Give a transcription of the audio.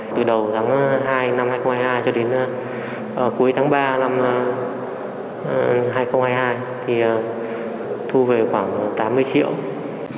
từ đầu tháng hai năm hai nghìn hai mươi hai cho đến cuối tháng ba năm hai nghìn hai mươi hai thì thu về khoảng tám mươi triệu